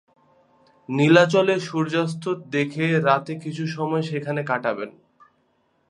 নীলাচলে সূর্যাস্ত দেখে রাতে কিছু সময় সেখানে কাটাবেন।